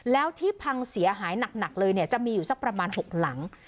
แล้วที่พังเสียหายหนักเลยเนี่ยจะมีอยู่สักประมาณ๖หลัง